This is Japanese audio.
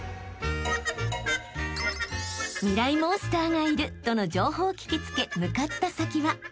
モンスターがいるとの情報を聞き付け向かった先は］